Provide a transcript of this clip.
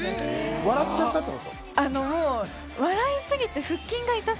笑っちゃったってこと？